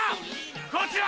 こちら！